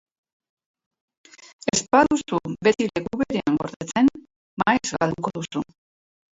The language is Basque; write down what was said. Ez baduzu beti leku berean gordetzen, maiz galduko duzu.